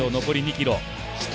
残り２ｋｍ。